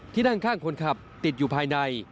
นั่งข้างคนขับติดอยู่ภายใน